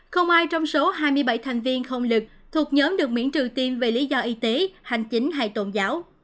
không ai trong số hai mươi bảy thành viên không lực thuộc nhóm được miễn trừ tiên về lý do y tế hành chính hay tôn giáo